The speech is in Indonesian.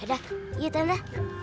yaudah yuk tante